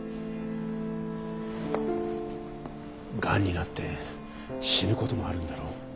がんになって死ぬこともあるんだろう？